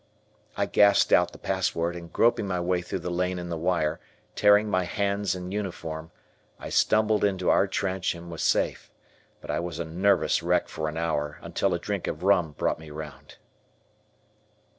I gasped out the password and groping my way through the lane in the wire, tearing my hands and uniform, I tumbled into our trench and was safe, but I was a nervous wreck for an hour, until a drink of rum brought me round.